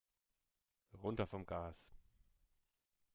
Runter vom Gas!